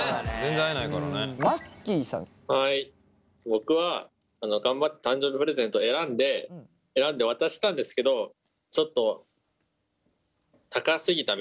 僕は頑張って誕生日プレゼント選んで選んで渡したんですけど高すぎて。